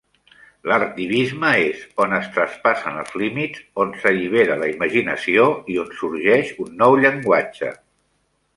L'artivisme és on es traspassen els límits, on s'allibera la imaginació i on sorgeix un nou llenguatge.